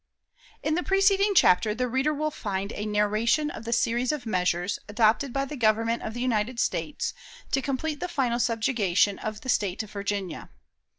In the preceding chapter the reader will find a narration of the series of measures, adopted by the Government of the United States, to complete the final subjugation of the State of Virginia.